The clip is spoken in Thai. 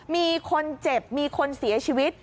มีคนเจ็บมีคนเสียชีวิต